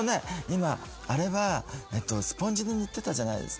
今あれはスポンジで塗ってたじゃないですか。